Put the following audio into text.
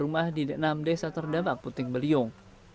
sepuluh rumah di enam desa terdampak puting beliung